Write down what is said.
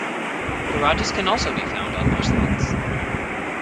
Garages can also be found on most lots.